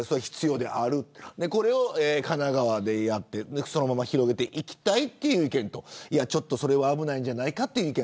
これを神奈川でやって広めていきたいという意見とそれは危ないんじゃないかという意見